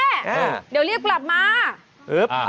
เดี๋ยวเรียกกลับมา